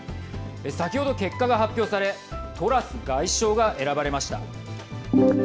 先ほど結果が発表されトラス外相が選ばれました。